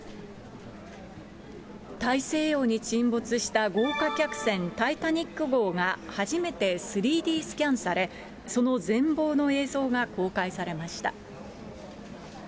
大西洋に沈没した豪華客船、タイタニック号が初めて３Ｄスキャンされ、その全貌の映像が公開されました。